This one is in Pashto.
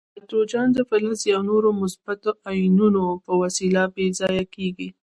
هایدروجن د فلز یا نورو مثبتو آیونونو په وسیله بې ځایه کیږي.